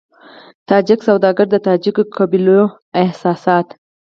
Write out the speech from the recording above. تاجک سوداګر د تاجکو قبيلوي احساسات.